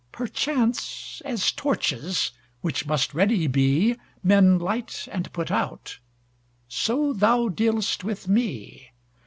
Perchance, as torches, which must ready be, Men light and put out, so thou dealst with me.